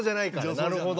なるほど。